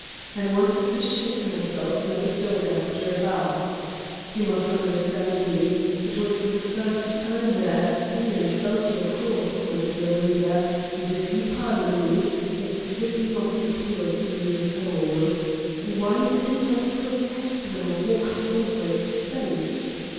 I wanted to shake myself like a dog after a bath. You must understand me: it was the first time that I had seen and felt your corpse, my dear reader, and if you pardon me, it did not appeal to me at all. Why did it not protest when I walked over its face